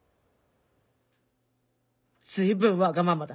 随分わがままだ。